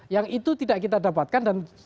yang itu tidak kita dapatkan dan